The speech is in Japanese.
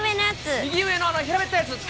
右上のあの平べったいやつ。